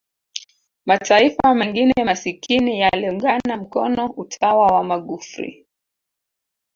mataifa mengine masikini yaliungana mkono utawa wa magufri